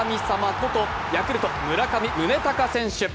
ことヤクルト・村上宗隆選手。